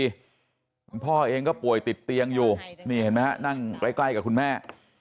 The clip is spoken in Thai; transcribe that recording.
คุณพ่อเองก็ป่วยติดเตียงอยู่นี่เห็นไหมฮะนั่งใกล้กับคุณแม่